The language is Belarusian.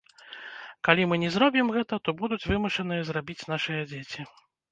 Калі мы не зробім гэта, то будуць вымушаныя зрабіць нашыя дзеці.